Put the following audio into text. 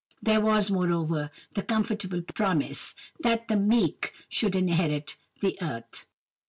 There was, moreover, the comfortable promise, that "the meek" should "inherit the earth."